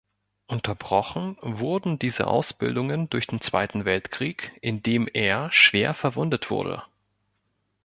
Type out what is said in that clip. Unterbrochen wurden diese Ausbildungen durch den Zweiten Weltkrieg in dem er schwer verwundet wurde.